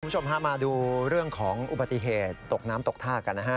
คุณผู้ชมพามาดูเรื่องของอุบัติเหตุตกน้ำตกท่ากันนะฮะ